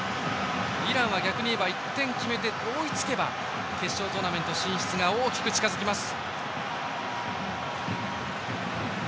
イランは逆にいえば１点決めて追いつけば決勝トーナメント進出が大きく近づきます。